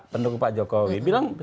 penduduk pak jokowi bilang